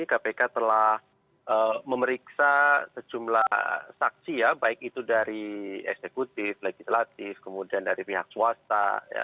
kpk telah memeriksa sejumlah saksi ya baik itu dari eksekutif legislatif kemudian dari pihak swasta